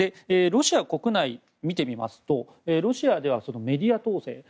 ロシア国内、見てみますとロシアではメディア統制